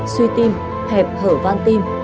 suy tim hẹp hở van tim